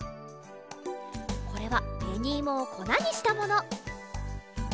これはべにいもをこなにしたもの。